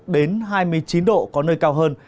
hai mươi sáu đến hai mươi chín độ có nơi cao hơn